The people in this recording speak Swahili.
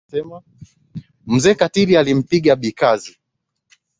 Mzee Katili alimpiga Bi Kazi.